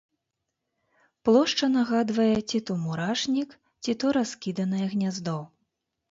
Плошча нагадвае ці то мурашнік, ці то раскіданае гняздо.